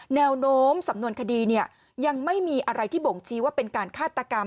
แนวโน้มสำนวนคดียังไม่มีอะไรที่บ่งชี้ว่าเป็นการฆาตกรรม